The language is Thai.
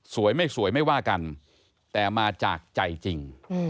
สวยไม่สวยไม่ว่ากันแต่มาจากใจจริง